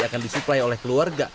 akan disuplai oleh keluarga